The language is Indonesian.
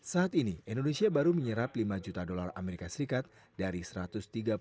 saat ini indonesia baru menyerap lima juta dolar amerika serikat